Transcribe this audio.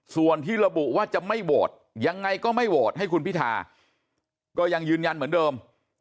ส่วนที่ระบุว่าจะไม่โหวตยังไงก็ไม่โหวตให้คุณพิธาก็ยังยืนยันเหมือนเดิม